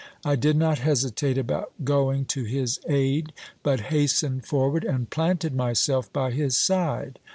I did not hesitate about going to his aid ; but hastened forward and planted myself by his side.